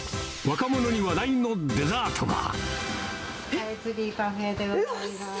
若者に話題のデザートが。